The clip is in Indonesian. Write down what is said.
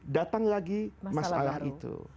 datang lagi masalah itu